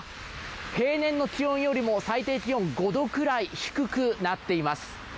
平年の気温よりも最低気温５度ぐらい低くなっています。